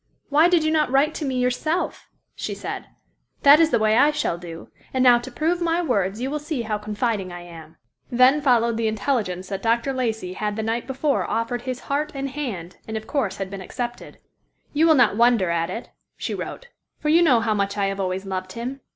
"Why did you not write to me yourself?" she said—"that is the way I shall do, and now to prove my words, you will see how confiding I am." Then followed the intelligence that Dr. Lacey had the night before offered his heart and hand and of course had been accepted. "You will not wonder at it," she wrote, "for you know how much I have always loved him.